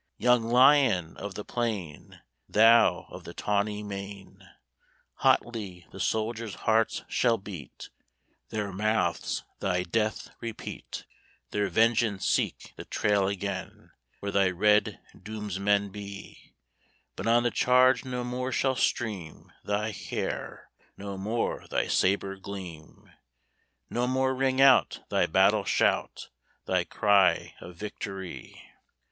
Young lion of the plain, Thou of the tawny mane! Hotly the soldiers' hearts shall beat, Their mouths thy death repeat, Their vengeance seek the trail again Where thy red doomsmen be; But on the charge no more shall stream Thy hair, no more thy sabre gleam, No more ring out thy battle shout, Thy cry of victory!